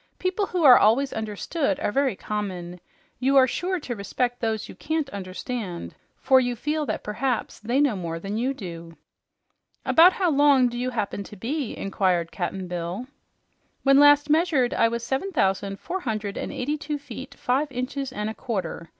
"People who are always understood are very common. You are sure to respect those you can't understand, for you feel that perhaps they know more than you do." "About how long do you happen to be?" inquired Cap'n Bill. "When last measured, I was seven thousand four hundred and eighty two feet, five inches and a quarter.